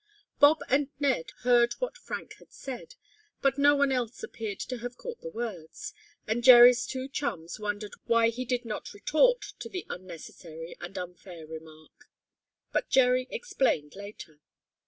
Bob and Ned heard what Frank had said, but no one else appeared to have caught the words, and Jerry's two chums wondered why he did not retort to the unnecessary and unfair remark. But Jerry explained later.